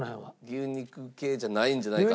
牛肉系じゃないんじゃないかと。